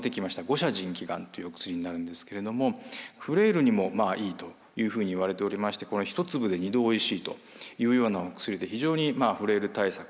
牛車腎気丸というお薬になるんですけれどもフレイルにもいいというふうにいわれておりまして１粒で２度おいしいというようなお薬で非常にフレイル対策